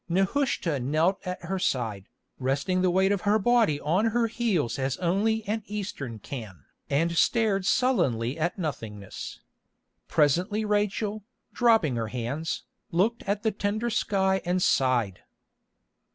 Nehushta knelt at her side, resting the weight of her body on her heels as only an Eastern can, and stared sullenly at nothingness. Presently Rachel, dropping her hands, looked at the tender sky and sighed.